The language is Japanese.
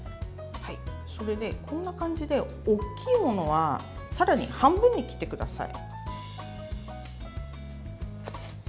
それで、こんな感じで大きいものはさらに半分に切ってください。